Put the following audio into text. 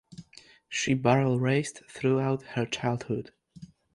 She barrel raced throughout her childhood.